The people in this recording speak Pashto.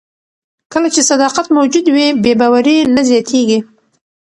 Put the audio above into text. کله چې صداقت موجود وي، بې باوري نه زیاتیږي.